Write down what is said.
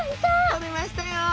とれましたよ！